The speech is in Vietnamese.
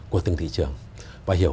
của từng thị trường và hiểu